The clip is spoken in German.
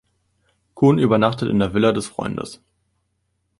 Kuhn übernachtet in der Villa des Freundes.